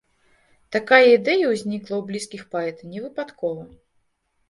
Такая ідэя ўзнікла ў блізкіх паэта не выпадкова.